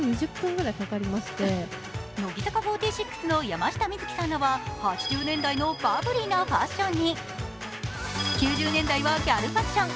乃木坂４６の山下美月さんらは８０年代のバブリーなファッションに９０年代はギャルファッション。